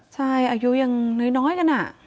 ใช่อายุยังน้อยกัน